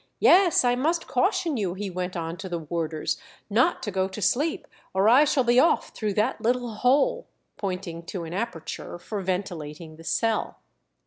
Yes! I must caution you," he went on to the warders, "not to go to sleep, or I shall be off through that little hole," pointing to an aperture for ventilating the cell.